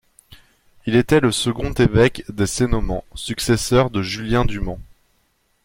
Il était le second évêque des Cénomans, successeur de Julien du Mans.